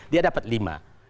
dia dapat lima